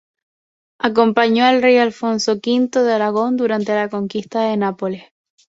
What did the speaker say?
Acompañó al rey Alfonso V de Aragón durante la conquista de Nápoles.